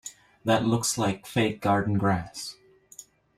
That looks like fake garden grass.